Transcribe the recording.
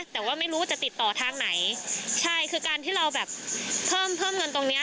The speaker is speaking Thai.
แต่ว่าไม่รู้ว่าจะติดต่อทางไหนใช่คือการที่เราแบบเพิ่มเพิ่มเงินตรงเนี้ย